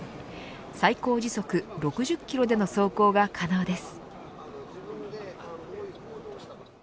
最高時速６０キロでの走行が可能です。